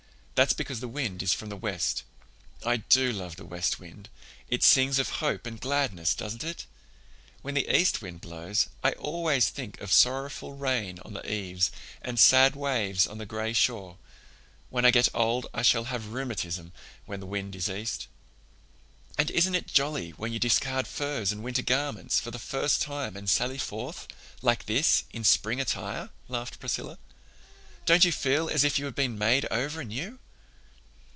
That's because the wind is from the west. I do love the west wind. It sings of hope and gladness, doesn't it? When the east wind blows I always think of sorrowful rain on the eaves and sad waves on a gray shore. When I get old I shall have rheumatism when the wind is east." "And isn't it jolly when you discard furs and winter garments for the first time and sally forth, like this, in spring attire?" laughed Priscilla. "Don't you feel as if you had been made over new?"